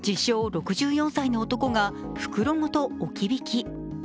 ・６４歳の男が袋ごと置き引き。